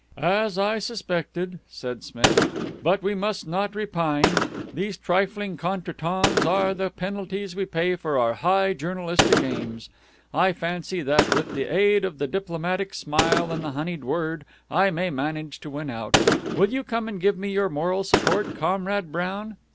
"As I suspected," said Smith, "but we must not repine. These trifling contretemps are the penalties we pay for our high journalistic aims. I fancy that with the aid of the diplomatic smile and the honeyed word I may manage to win out. Will you come and give me your moral support, Comrade Brown?"